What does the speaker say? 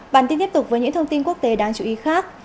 bản tin tiếp tục với những thông tin quốc tế đáng chú ý khác